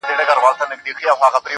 په وينو لژنده اغيار وچاته څه وركوي.